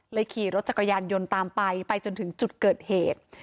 ขี่รถจักรยานยนต์ตามไปไปจนถึงจุดเกิดเหตุ